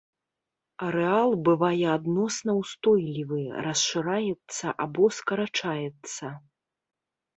Арэал бывае адносна ўстойлівы, расшыраецца або скарачаецца.